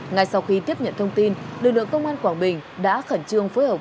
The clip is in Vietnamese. ngay sau khi tiếp nhận thông tin lực lượng công an quảng bình đã khẩn trương phối hợp